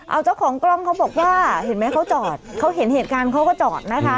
เอาเจ้าของกล้องเขาบอกว่าเห็นไหมเขาจอดเขาเห็นเหตุการณ์เขาก็จอดนะคะ